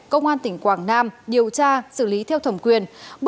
công an tỉnh quảng nam điều tra xử lý theo thẩm quyền